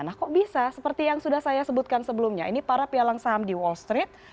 nah kok bisa seperti yang sudah saya sebutkan sebelumnya ini para pialang saham di wall street